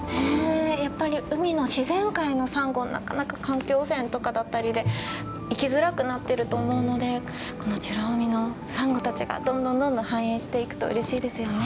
やっぱり海の自然界のサンゴなかなか環境汚染とかだったりで生きづらくなってると思うのでこの美ら海のサンゴたちがどんどんどんどん繁栄していくとうれしいですよね。